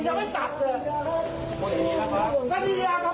ลูกคนรวยดีจะไม่ตัด